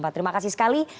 terima kasih sekali